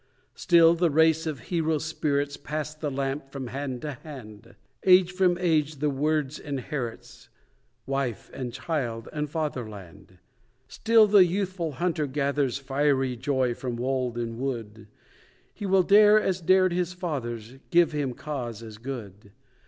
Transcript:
Still the race of Hero spirits Pass the lamp from hand to hand; Age from age the Words inherits 'Wife, and Child, and Fatherland.' Still the youthful hunter gathers Fiery joy from wold and wood; He will dare as dared his fathers Give him cause as good.